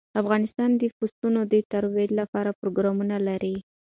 افغانستان د پسونو د ترویج لپاره پروګرامونه لري.